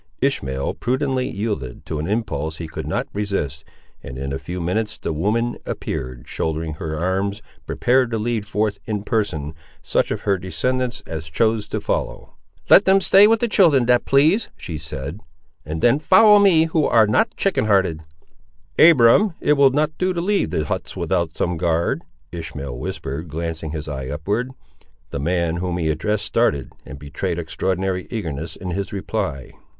Ishmael prudently yielded to an impulse he could not resist, and in a few minutes the woman appeared, shouldering her arms, prepared to lead forth, in person, such of her descendants as chose to follow. "Let them stay with the children that please," she said, "and them follow me, who ar' not chicken hearted!" "Abiram, it will not do to leave the huts without some guard," Ishmael whispered, glancing his eye upward. The man whom he addressed started, and betrayed extraordinary eagerness in his reply.